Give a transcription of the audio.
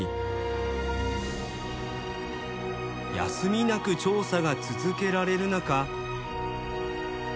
休みなく調査が続けられる中。